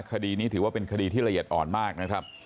คดีนี้ถือว่าเป็นคดีที่ละเอียดอ่อนมากนะครับ